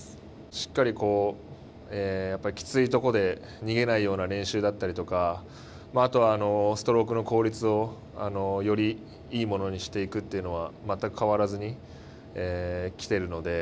しっかりきついとこで逃げないような練習だったりとかあとはストロークの効率を、よりいいものにしていくっていうのは全く変わらずにきてるので。